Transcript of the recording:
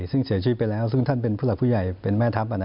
ซึ่งเสียชีวิตไปแล้วซึ่งท่านเป็นผู้หลักผู้ใหญ่เป็นแม่ทัพ